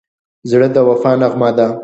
زړه د وفا نغمه ده.